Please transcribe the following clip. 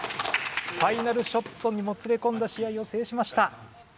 ファイナルショットにもつれこんだ試合を制しました。